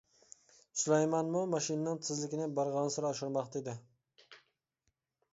سۇلايمانمۇ ماشىنىنىڭ تېزلىكىنى بارغانسېرى ئاشۇرماقتا ئىدى.